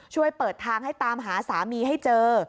ช่วยเปิดทางให้ตามหาสามีให้เจอ